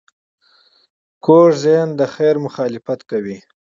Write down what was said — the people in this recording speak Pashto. کوږ ذهن د خیر مخالفت کوي